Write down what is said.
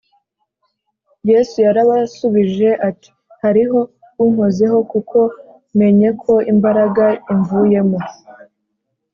yesu yarabasubije ati: “hariho unkozeho, kuko menye ko imbaraga imvuyemo